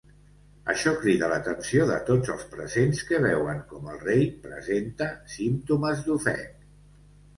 Això crida l'atenció de tots els presents que veuen com el rei presenta símptomes d'ofec.